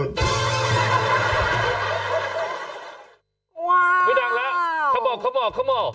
ว้าวไม่ดังแล้วเขาบอก